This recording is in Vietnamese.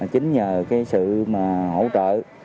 chính nhờ sự hỗ trợ